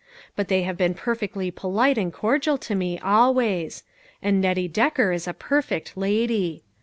But they have been perfectly polite and cordial to me, always ; and Nettie Decker is a perfect lady.